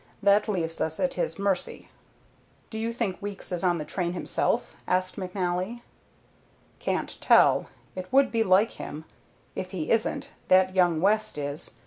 That leaves us at his mercy." "Do you think Weeks is on the train himself?" asked McNally. "Can't tell. It would be like him. If he isn't, that young West is.